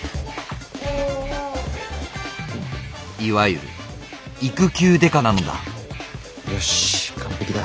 いわゆる育休刑事なのだよし完璧だ。